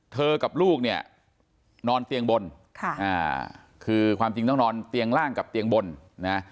กับลูกเนี่ยนอนเตียงบนค่ะอ่าคือความจริงต้องนอนเตียงล่างกับเตียงบนนะ